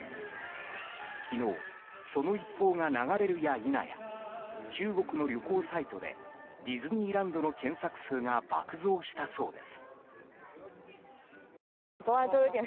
昨日、その一報が流れるや否や中国の旅行サイトでディズニーランドの検索数が爆増したそうです。